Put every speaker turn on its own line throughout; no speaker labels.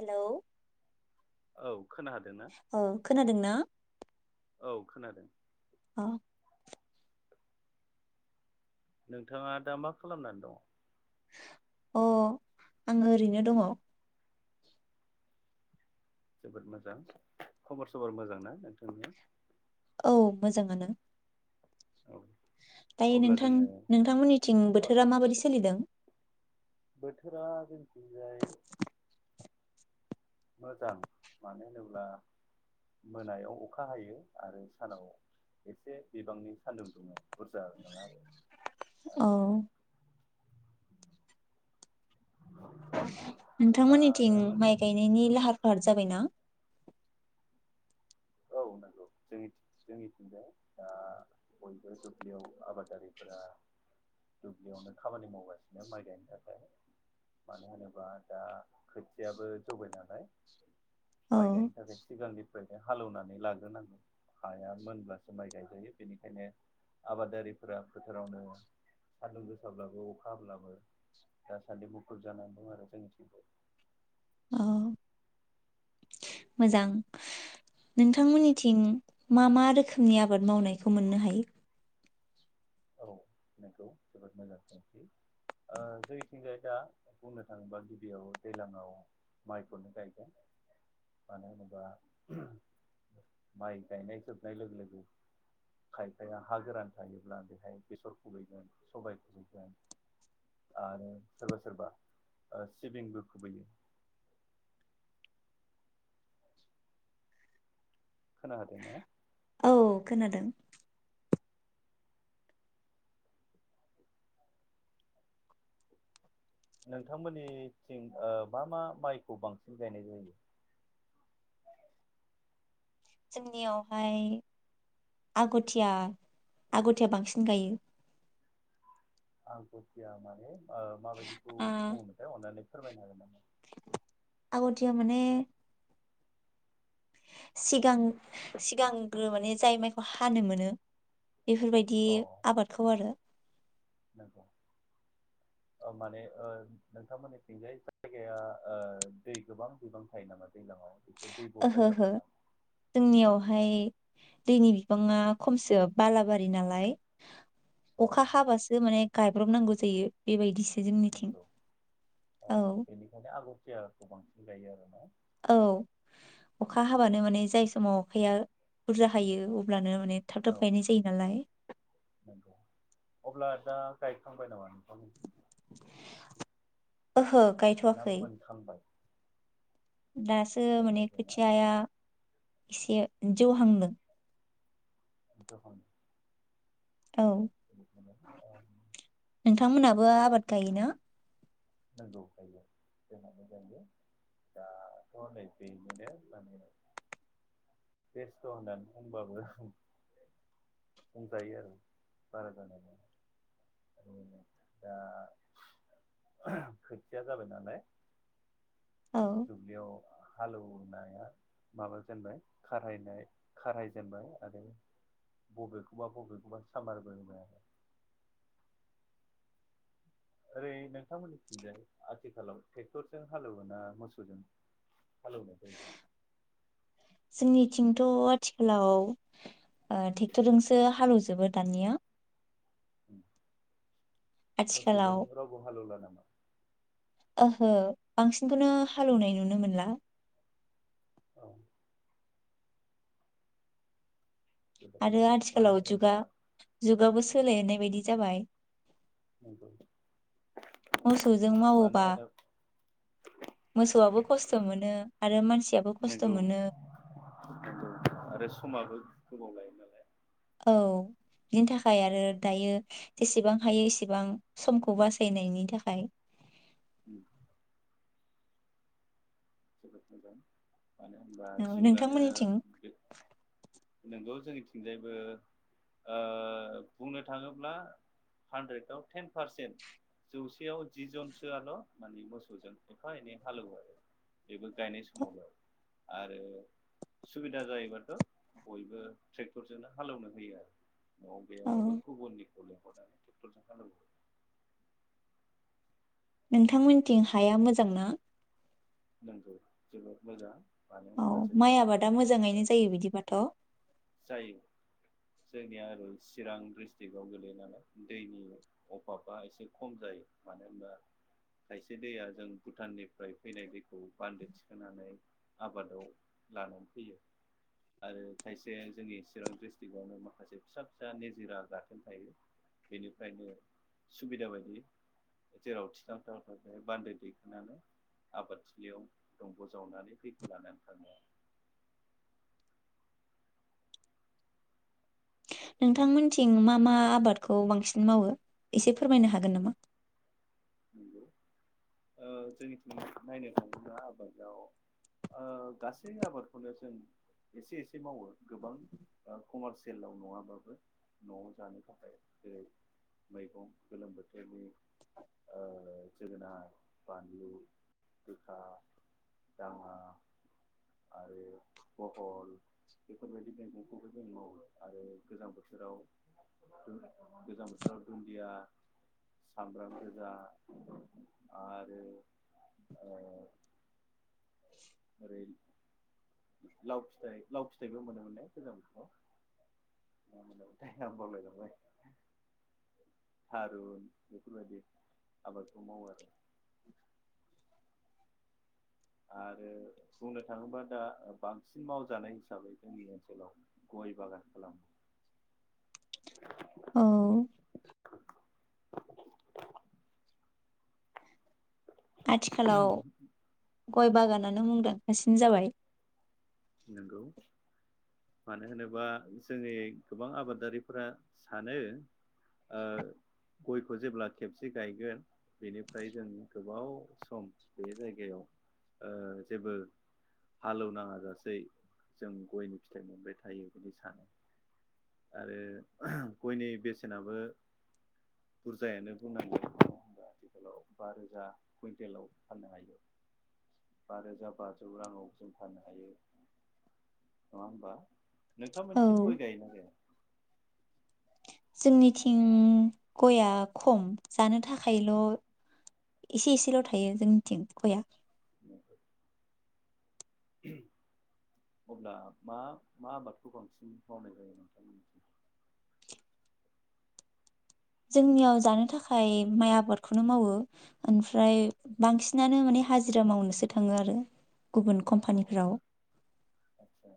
Hello
औ खोनादोंना
औ खोनादोंना?
औ खोनादों।
[unintelligible]
नोंथांङा दा मा खालामनानै दङ?
अ आंङो ओरैनो दङ।
जोबोद मोजां खबर सबर मोजां ना नोंथांनिया?
औ मोजांङानो।
औ
दायो
अब्ला
नोंथां
जोङो
नोंथांमोननिथिं
ओ
बोथोरा माबादि सोलिदों?
जोंनिथिंजाय मोजां मानो होनोब्ला मोनायाव अखा हायो आरो सानाव एसे बिबांनि सान्दुं दुंङो। बुरजा नंङा आरो
औ
आरो अखाया
नोंथांमोननिथिं
माने
माइ गायनायनि लाहार फाहार जाबायना?
औ नोंगौ जोंनिथि जोंनिथिंजाय दा बयबो दुब्लियाव आबादारिफोरा दुब्लियावनो खामानि मावगासिनो माइ गायनो थाखाय मानो होनोबा दा खोथियाबो जौबाय नालाय। माइ
औ
गायनो थाखाय सिगांनि बेहाय हालौना लाग्रोनांगो, हाया मोनब्लासो माइ गायजायो बेनिखायनो आबादारिफोरा फोथारावनो सान्दुं गोसाब्लाबो अखा हाब्लाबो दासान्दि मुखुब जानानै दं आरो जोंनिथिंजाय।
औ मोजां नोंथांमोननिथिं मा मा रोखोमनि आबाद मावनायखौ मोननो हायो?
औ नोंगौ जोबोर मोजां सोंथि ओ जोंनिथिंजाय दा बुंनो थांङोबा गिबियाव दैलां आव माइखौनो गायगोन मानो होनोबा माइ गायनाय जोबनाय लोगो लोगो खायफाया हा गोरान थायोब्ला बे बेसर खुबैगोन, सबाय खुबैगोन, आरो सोरबा सोरबा सिबिंबो खुबैयो। खोना हादोंना?
औ खोनादों।
नोंथांमोननिथिं ओ मा मा माइखौ बांसिन गायनाय जायो?
जोंनियावहाय आग'थिया आग'थिया बांसिन गायो।
आग'थिया माने? ओ माबायदिखौ
आ
बुङोमोन थाय अननानै फोरमायनो हागोन नामा?
थिया माने सिगां सिगांग्रो माने जाय माइखौ हानो मोनो इफोरबायदि
अ
आबादखौ आरो
ओ माने ओ नोंथांमोननिथिंजाय जायगाया ओ दै गोबां बिबां थायो नामा दैलांआव?
ओहो हो जोंनियावहाय दैनि बिबाङा खमसो बालाबारि नालाय
अ
अखा हाबासो माने गायब्रबनांगौ जायो बेबायदिसो। जोंनिथिं
नंगौ अ
औ
बेनिखायनो आग'थियाखौ बांसिन गायो आरो।
औ अखा हाबानो माने जाय समाव अखाया बुरजा हायो अब्लानो। माने थाब
औ
थाब गायनाय जायो नालाय।
नंगौ। अब्ला दा गायखांबाय नामा? नोंथांमोननिथिं
ओहो
ना
गायथ'वाखै
मोनखांबाय?
दासो माने
गायखांबायना
खोथियाया इसे। जौहांदों।
जौहांदो।
औ नोंथांमोनहाबो आबाद गायोना?
[unintelligible] जोंना मोजां दाथ' हनै बेनिनो माने बेस्थ होननानै बुंबाबो बुंजायो आरो बारा जानाय [unintelligible] दा। खोथिया जाबाय नालाय।
औ
दुबलियाव हालेवनाया माबा जेनबाय खारायनाय खारायजेनबाय आरो बबेखौबा बबेखौबा सामारबो होबाय आरो। ओरै नोंथांमोननिथिंजाय आथिखालाव ट्रेक्टरजों हालेवोना मोसौजों हालेवो?
जोंनिथिंथ आथिखालाव ओ ट्रेक्टरजोंसो हालेवजोबो दानिया।
उम। मोसौजों
आथिखालाव
रालबो हालौला नामा?
ओहो बांसिनखौनो हालेवनाय नुनो मोनला।
औ। जोबोद
आरो
मोजां मानो
आथिखालाव जुगा
होनोबा
जुगाबो स सोलायनाय बायदि जाबाय।
नंगौ
मोसौजों
मानो
मावोबा
होनो
मोसौआबो खस्थ' मोनो आरो मानसियाबो खस्थ'
नंगौ नंगौ
मोनो।
गोबावलायो नालाय
औ बिनि थाखाय आरो दायो जेसेबां हायो एसेबां समखौ बासायनायनि थाखाय
उम जोबोद मोजां मानो होनबा
औ
जुगानो
नोंथांमोननिथिं
नोंगौ जोंनिथिंजायबो ओ बुंनो थाङोब्ला हानद्रेदआव टेन पारसेन्ट जौसेयाव जि जनसोआल माने मोसौजों एफा एनै हालेवो आरो। बेबो गायनाय समावल'। आरो सुबिदा जायोबाथ' बयबो ट्रेक्टरजोंनो हालेवनो होयो आरो। न'आव
औ
गैयाबाबो गुबुननिखौजों। [unintelligible]
नोंथांमोनथिं हाया मोजां ना?
नंगौ जोबोद मोजां। मानो
औ
होनबा
माइ
जोंनिया
आबादा मोजाङैनो जायो बिदिबाथ'?
जायो जोंनिया आरो चिरां डिस्ट्रिकआव गोलैनानै दैनि अभाबा एसे खम जायो मानो होनबा खायसे दैया जों भुटाननिफ्राय फैनाय दैखौ बान्दो थिखोनानै आबादाव लानानै फैयो आरो खायसे जे जोंनि चिरां डिस्ट्रिक्टआवनो माखासे फिसा फिसा निजिरा गाथोन थायो बेनिफ्रायनो सुबिदा बायदि जेराव थिथां थाव थाखाय बान्दो दैखोनानै आबादथिलियाव दंग जावनानै दैखौ लानानै थाङो।
नोंथांमोनथिं मा मा आबादखौ बांसिन मावो एसे फोरमायनो हागोन नामा?
नंगौ ओ जोंनिथिं नायनो थाङोब्ला आबादाव ओ गासै आबादखौनो जों एसे एसे मावो गोबां कमारसियेलाव नङाबाबो नआव जानो थाखाय जेरै मैगं गोलोम बोथोरनि ओ जोगोनार, बानलु, गोखा, दाङा आरो बहल बेफोरबायदि मैगंखौबो जों मावो आरो गोजां बोथोराव दुन गोजां बोथोराव दुन्दिया सामब्राम गोजा आरो ओ ओरै लाव फिथाइ लाव फिथाइबो मोनोमोन ने गोजां बोथोराव मोनोमोनथाय आं बावलायलांबाय थारुन बेफोरबायदि आबादखौ मावो आरो। आरो बुंनो थाङोबा दा बांसिन मावजानाय हिसाबै जोंनि ओनसोलाव गय बागान खालामो।
औ
[inaudible]
आथिखालाव गय बागानानो मुंदांखासिन जाबाय।
नंगौ मानो होनोबा जोंनि गोबां आबादारिफोरा सानो ओ गयखौ जेब्ला खेबसे गायगोन बेनिफ्राय जों गोबाव सम बे जायगायाव ओ जेबो हालौनाङा जासे यै जों गयनि फिथाइ मोनबाय थायो बिदि सानो आरो गयनि बेसेनाबो बुरजायानो बुंनांगोन नङा होनबा आथिखालाव बा रोजा कुइन्टेलाव फाननो हायो बा रोजा बाजौ राङाव जों फाननो हायो नङा होम्बा?
औ
नोंथांमोनथिं गय गायो ना गाया?
जोंनिथिं गया खम जानो थाखायल' एसे एसेल थायो जोंनिथिं गया।
नंगौ अब्ला मा मा आबादखौ बांसिन मावनाय जायो नोंथांमोननिथिं?
जोंनियाव जानो थाखाय माइ आबादखौनो मावो ओमफ्राय बांसिनानो माने हाजिरा मावनोसो थाङो आरो। गुबुन
अ
कम्पानिफोराव।
आदसा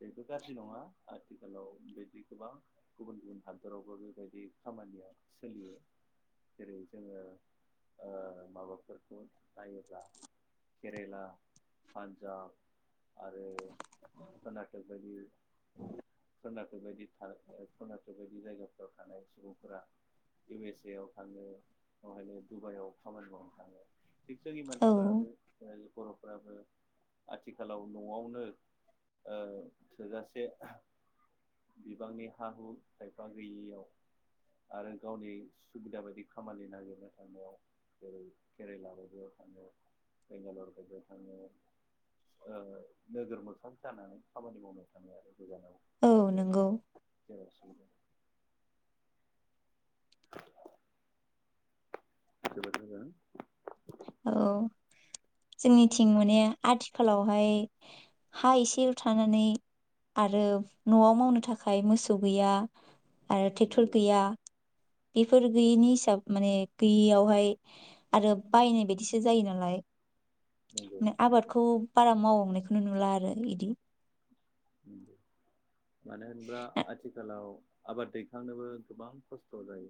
बेबो गाज्रि नङा आथिखालाव बेदि गोबां गुबुन गुबुन हादरावबो बेबायदि खामानिया सोलियो जेरै जोङो ओ माबाफोरखौ नायोब्ला केरेला, पान्जाब आरो कर्नाटक बायदि कर्नाटक बायदि था कर्नाटक बायदि जायगाफोराव थानाय सुबुंफोरा इउ एस ए आव थाङो बेवहायनो डुबाइआव खामानि मावनो थाङो। थिक जोंनि
औ
मानसिफोराबो जेरै बर'फ्राबो आथिखालाव नआवनो ओ थोजासे बिबांनि हा हु खायफा गैयियाव आरो गावनि सुबिदा बायदि खामानि नागिरनो थांनायाव जेरै केरेला बायदियाव थाङो बेंगालर बायदियाव थाङो नोगोर मोखां जानानै खामानि मावनो थाङो आरो। गोजानाव
औ
खाथियावबो
नंगौ
जेराव सुबिदा [inaudible] [unintelligible]
औ जोंनिथिं माने आथिखालावहाय हा एसेल थानानै आरो नआव मावनो थाखाय मोसौ गैया आरो ट्रेक्टर
नंगौ
गैया। इफोर गैयिनि हिसाब माने गैयियावहाय आरो बायनाय बायदिसो जायो नालाय
नंगौ
ने आबादखौ बारा मावबांनायखौनो नुला आरो इदि।
नंगौ मानो होनोब्ला आथिखालाव आबाद दैखांनोबो गोबां खस्थ जायो।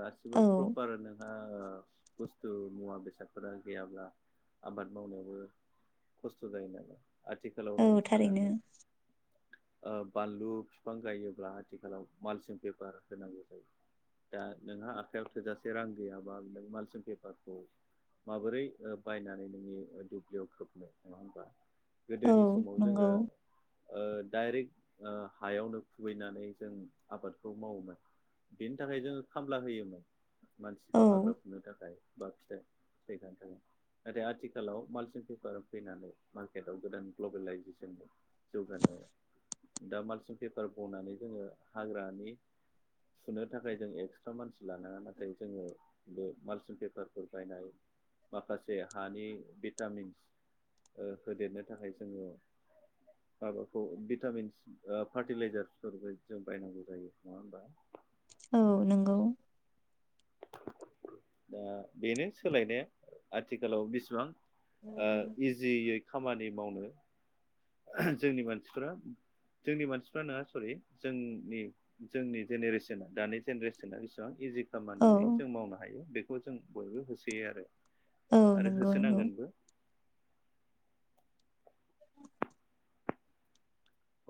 गासिबो
औ
प्रपार नोङा ओ बुस्थु मुवा बेसादफोरा गैयाब्ला आबाद मावनायावबो खस्थ जायो नालाय। आथिखालाव नै
औ थारैनो
साननानै ओ बानलु फिफां गायोब्ला आथिखालाव मालसिं पेपार होनांगौ जायो दा नोंहा आखाइयाव थोजासे रां गैयाबा नों मालसिं पेपारखौ माबोरै बायनानै नोंनि दुब्लियाव खोबनो नङा होमबा।
औ
गोदोनि समाव
नोंगौ।
जोङो ओ डाइरेक्ट ओ हायावनो खुबैनानै जों आबादखौ मावोमोन बेनि थाखाय जोङो खामला होयोमोन।
औ
मानसिखौ हाग्रा फुनो थाखाय। बा फिथाइ थैखानो थाङो नाथाय आथिखालाव मालसिन पेपार फैनानै मार्केटआव गोदान ग्लबेलइजेसन जौगानाया दा मालसिं पेपार बनानै जोङो हाग्रानि सुनो थाखाय जों एक्सट्रा मानसि लानाङा नाथाय जोङो बे मालसिं पेपारफोर बायनाय माखासे हानि भिटामिन्स ओ होदेरनो थाखाय जोङो माबाखौ भिटामिन फार्टिलाइजारफोरबो जों बायनांगौ जायो नङा होमबा।
औ नोंगौ।
दा बेनो सोलायनाया आथिखालाव बिसिबां ओ इजियै खामानि मावनो जोंनि मानसिफोरा जोंनि मानसिफ्रानो सरि जोंनि जोंनि जेनेरेसना दानि जेनेरेसना जेसेबां इजि
औ
खामानियै जों मावनो हायो बे खौ जों बयबो होसोयो आरो।
औ
आरो
नंगौ नंगौ
होसोनांगोनबो।
[unintelligible]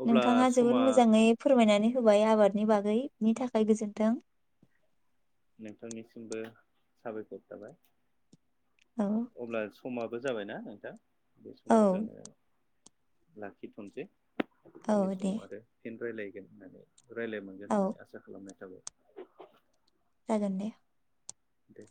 अब्ला
नोंथाङा जोबोद
समा
मोजाङै फोरमायनानै होबाय आबादनि बागैनि थाखाय गोजोन्थों।
नोंथांनिसिमबो साबायखर थाबाय।
औ
अब्ला समा बो जाबायना नोंथां। बे
औ
समाव जोङो लाखिथ'नोसै। उननि
औ दे
समाव आरो फिन रायलाय गोन होननानै। रायलाय मोनगोन
औ
होननानै आसा खालामनाय थाबाय।
जागोन दे
दे